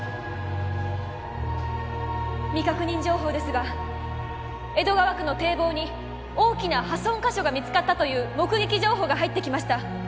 未確認情報ですが江戸川区の堤防に大きな破損箇所が見つかったという目撃情報が入ってきました。